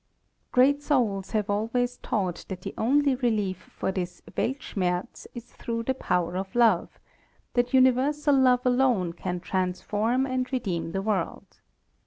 Great souls have always taught that the only relief for this Weltschmerz is through the power of love; that universal love alone can transform and redeem the world.